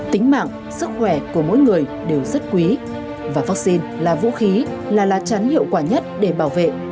tính mạng sức khỏe của mỗi người đều rất quý và vaccine là vũ khí là lá chắn hiệu quả nhất để bảo vệ